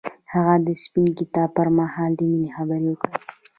هغه د سپین کتاب پر مهال د مینې خبرې وکړې.